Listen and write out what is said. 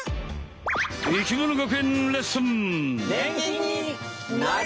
生きもの学園レッスン！